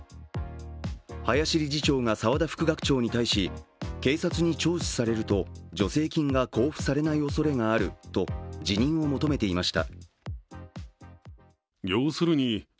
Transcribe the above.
林理事長が澤田副学長に対し、警察に聴取されると助成金が交付されないおそれがあると辞任を求めていました。